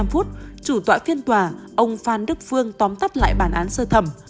chín h bốn mươi năm chủ tòa phiên tòa ông phan đức phương tóm tắt lại bản án sơ thẩm